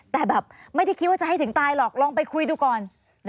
แต่แบบไม่ได้คิดว่าจะให้ถึงตายหรอกลองไปคุยดูก่อน